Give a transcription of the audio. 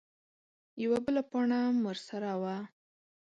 _يوه بله پاڼه ام ورسره وه.